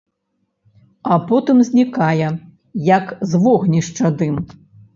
А потым знікае, як з вогнішча дым.